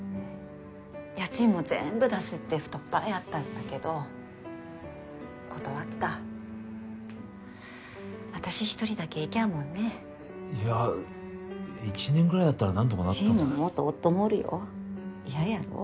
家賃も全部出すって太っ腹やったけど断った私一人だけ行けやんもんねいや１年ぐらいだったら何とかなったチームに元夫もおるよ嫌やろ？